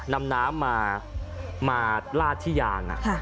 นำน้ำมาลาดที่ยาง